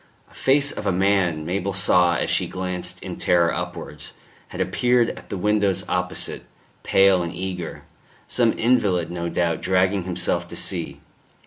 A face of a man, Mabel saw as she glanced in terror upwards, had appeared at the windows opposite, pale and eager some invalid no doubt dragging himself to see.